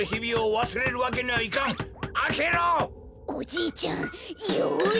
おじいちゃんよし！